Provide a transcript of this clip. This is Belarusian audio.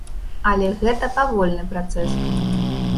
Але гэта павольны працэс.